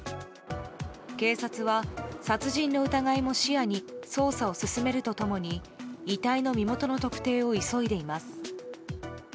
警察は殺人の疑いも視野に捜査を進めると共に遺体の身元の特定を急いでいます。